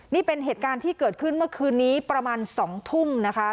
นี่เป็นเหตุการณ์ที่เกิดขึ้นเมื่อคืนนี้ประมาณ๒ทุ่มนะคะ